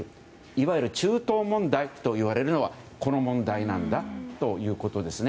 いわゆる中東問題といわれるのはこの問題なんだということです。